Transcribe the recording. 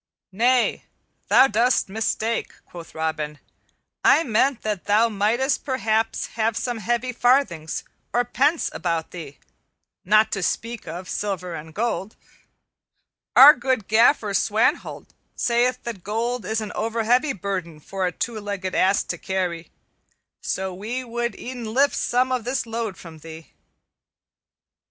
"Nay, thou dost mistake," quoth Robin, "I meant that thou mightest perhaps have some heavy farthings or pence about thee, not to speak of silver and gold. Our good Gaffer Swanthold sayeth that gold is an overheavy burden for a two legged ass to carry; so we would e'en lift some of this load from thee."